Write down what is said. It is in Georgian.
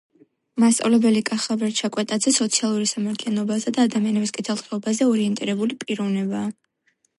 მასწავლებელი კახაბერ ჩაკვეტაძე სოციალური სამართლიანობასა და ადამიანების კეთილდღეობაზე ორიენტირებული პიროვნებაა.